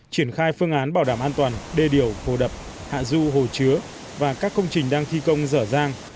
triển khai phương án bảo đảm an toàn đê điểu hồ đập hạ du hồ chứa và các công trình đang thi công rở rang